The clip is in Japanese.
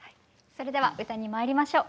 それでは歌にまいりましょう。